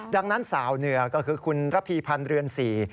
ดังนั้นสาวเหนือก็คือคุณระพีพันธ์เรือนศรี